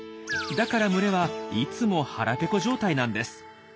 だから群れはいつも腹ペコ状態なんです。